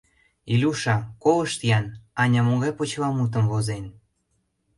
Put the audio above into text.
— Илюша, колышт-ян, Аня могай почеламутым возен: